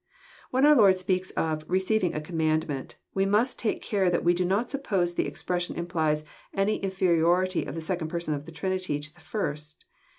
When our Lord speaks of " receiving a commandment, we must take care that we do not suppose the expression implies any inferiority of the Second Person of the Trinity to the First.